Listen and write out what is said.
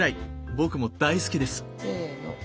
僕も大好きです！